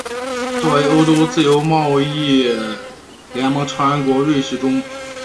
作为欧洲自由贸易联盟成员国的瑞士中。